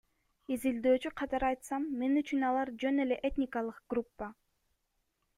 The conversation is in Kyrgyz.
Изилдөөчү катары айтсам, мен үчүн алар — жөн эле этникалык группа.